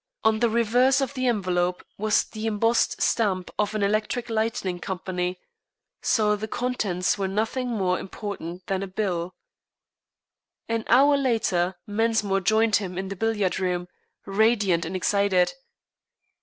On the reverse of the envelope was the embossed stamp of an electric lighting company, so the contents were nothing more important than a bill. An hour later Mensmore joined him in the billiard room, radiant and excited.